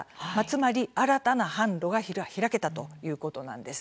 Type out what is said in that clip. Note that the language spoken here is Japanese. つまり新たな販路が開けたということなんです。